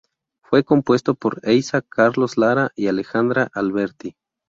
Fue compuesto por Eiza, Carlos Lara y Alejandra Alberti.